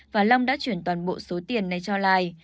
và long đã chuyển toàn bộ số tiền này cho lai